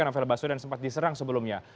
nafail basu yang sempat diserang sebelumnya